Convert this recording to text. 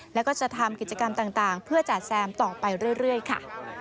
แล้วก็จะทำกิจกรรมต่างเพื่อจ่าแซมต่อไปเรื่อยค่ะ